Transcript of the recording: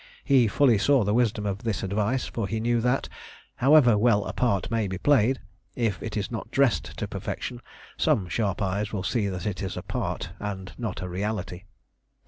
He fully saw the wisdom of this advice, for he knew that, however well a part may be played, if it is not dressed to perfection, some sharp eyes will see that it is a part and not a reality.